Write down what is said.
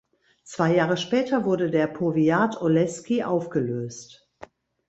Zwei Jahre später wurde der Powiat Oleski aufgelöst.